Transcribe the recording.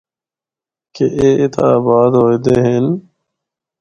کہ اے اِتّھا آباد ہوئے دے ہن۔